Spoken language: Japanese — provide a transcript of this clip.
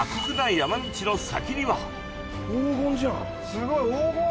すごい黄金！